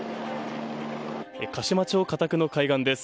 鹿島町片句の海岸です。